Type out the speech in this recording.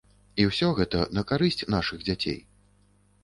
І ўсё гэта на карысць нашых дзяцей.